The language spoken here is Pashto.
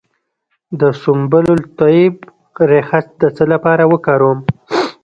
د سنبل الطیب ریښه د څه لپاره وکاروم؟